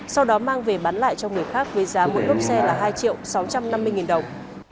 sau đó mang về bán lại cho người khác với giá mỗi cốp xe là hai triệu sáu trăm năm mươi đồng